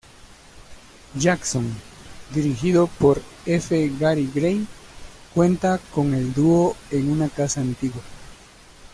Jackson", dirigido por F. Gary Gray, cuenta con el dúo en una casa antigua.